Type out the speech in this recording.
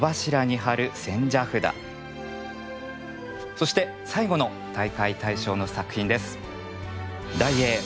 そして最後の大会大賞の作品です。